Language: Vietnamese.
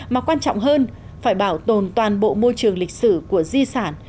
mà quan trọng hơn phải bảo tồn toàn bộ môi trường lịch sử của di sản